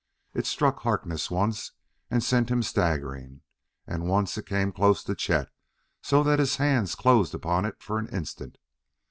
It struck Harkness once and sent him staggering, and once it came close to Chet so that his hands closed upon it for an instant.